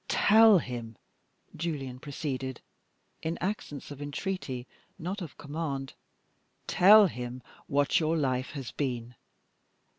"Tell him," Julian proceeded, in accents of entreaty, not of command "tell him what your life has been.